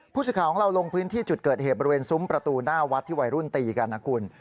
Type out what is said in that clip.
สิทธิ์ของเราลงพื้นที่จุดเกิดเหตุบริเวณซุ้มประตูหน้าวัดที่วัยรุ่นตีกันนะคุณ